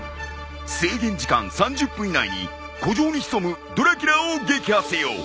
制限時間３０分以内に古城に潜むドラキュラを撃破せよ。